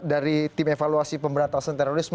dari tim evaluasi pemberantasan terorisme